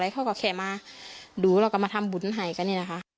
เขาก็แค่มาดูแล้วก็มาทำบุญให้กัน